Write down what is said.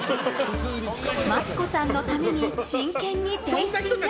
マツコさんのために真剣にテイスティング。